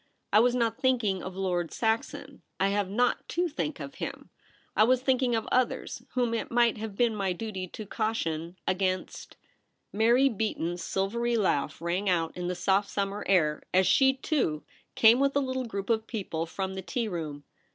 ' I was not thinking of Lord Saxon. I have not to think of him. I was thlnklno^ of others — whom it might have been my duty to caution — against ' Mary Beaton's silvery laugh rang out in the soft summer air as she, too, came with a little group of people from the tea room.